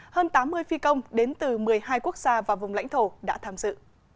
hơn tám mươi phi công đến từ một mươi hai quốc gia và vùng lãnh thổ đã tham dự